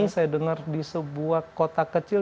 saya dengar di sebuah kota kecil